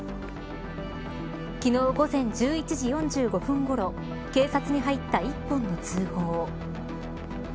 昨日、午前１１時４５分ごろ警察に入った１本の通報。